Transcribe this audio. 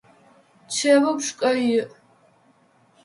Чэмым шкӏэ иӏ.